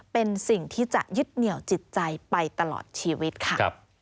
เป็นสิ่งที่จะยึดเหนี่ยวจิตใจไปตลอดชีวิตค่ะ